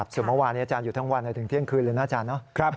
ส่วนเมื่อวานนี้อาจารย์อยู่ทั้งวันถึงเที่ยงคืนเลยนะอาจารย์